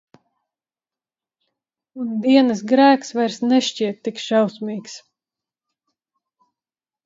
Un dienas grēks vairs nešķiet tik šausmīgs.